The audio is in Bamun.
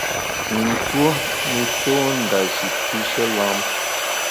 I ntue ne tô ndashi pishe lam.